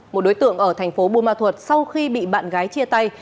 một đối tượng ở thành phố buôn ma thuật sau khi bị bạn gái chia tay